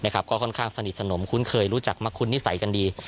ก็ค่อนข้างสนิทสนมคุ้นเคยรู้จักมะคุ้นนิสัยกันดี